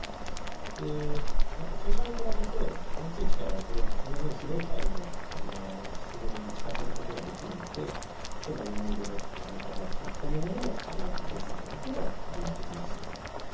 であと注射に比べて大きい機械を当てればその分広い範囲の脂肪に効かせることができるので例えば二の腕だとかおなかだとか太ももにも適用することっていうのはできます。